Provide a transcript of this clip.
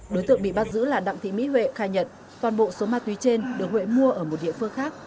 đối tượng bị bắt giữ là đặng thị mỹ huệ khai nhận toàn bộ số ma túy trên được huệ mua ở một địa phương khác